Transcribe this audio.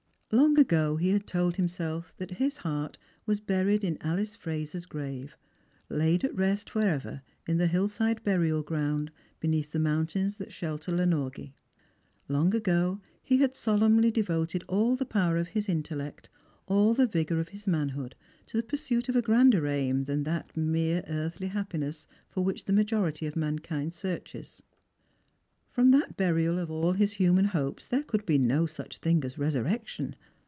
Long ago he had told himself that his heart was buried in Alice Eraser's grave, laid at rest for ever in the hill side burial ground beneath the mountains that shelter Lanorgie; long ago he had solemnly devoted all the power of his intellect, all the vigour of his man hood, to the pursuit of a grander aim than that mere earthly happiness for which the majority of mankind searches. From that burial of all his human hopes there could be no such thing as resurrection.